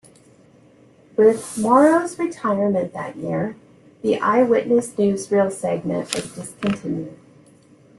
With Marrou's retirement that year, the "Eyewitness Newsreel" segment was discontinued.